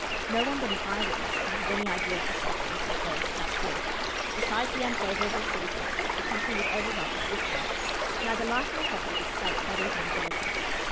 No one but an eye witness can have any idea of the state of New South Wales at that period. Besides the unfavourable seasons, the country was overrun with bushrangers. Neither life nor property was safe, not even in vil lages.